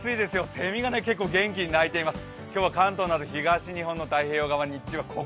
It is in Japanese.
セミが元気に鳴いています。